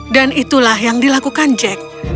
dan itulah yang dilakukan jack